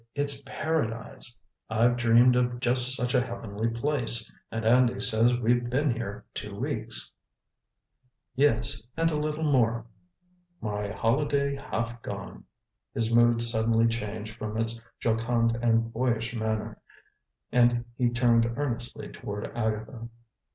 It's Paradise. I've dreamed of just such a heavenly place. And Andy says we've been here two weeks." "Yes and a little more." "My holiday half gone!" His mood suddenly changed from its jocund and boyish manner, and he turned earnestly toward Agatha.